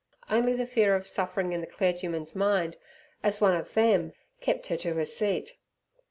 Only the fear of suffering in the clergyman's mind as one of "them" kept her to her seat.